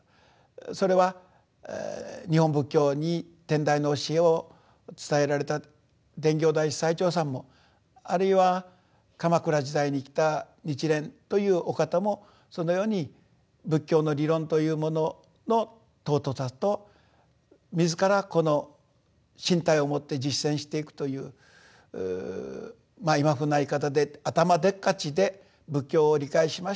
それは日本仏教に天台の教えを伝えられた伝教大師最澄さんもあるいは鎌倉時代に生きた日蓮というお方もそのように仏教の理論というものの尊さと自らこの身体をもって実践していくという今風な言い方で頭でっかちで仏教を理解しましたということではない。